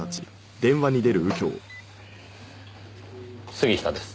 杉下です。